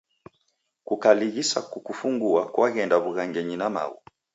Kukalighisa kukufungua kwaghenda w'ughangenyi na maghu.